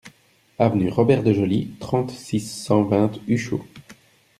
Avenue Robert de Joly, trente, six cent vingt Uchaud